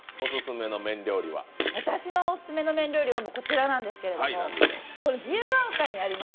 私のオススメの麺料理はこちらなんですけど自由が丘にあります。